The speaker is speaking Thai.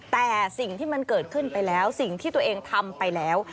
แต่สิ่งที่มันเกิดขึ้นไปแล้วสิ่งที่ตัวเองทำไปแล้ว